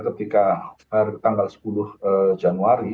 ketika tanggal sepuluh januari